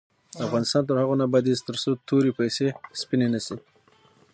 افغانستان تر هغو نه ابادیږي، ترڅو توري پیسې سپینې نشي.